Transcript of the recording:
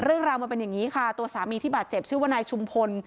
เรื่องราวมันเป็นอย่างนี้ค่ะตัวสามีที่บาดเจ็บชื่อว่านายชุมพล